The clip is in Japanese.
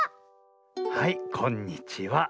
はいこんにちは。